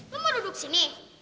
lu mau duduk sini